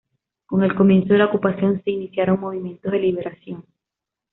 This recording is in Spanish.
Con el comienzo de la ocupación se iniciaron movimientos de liberación.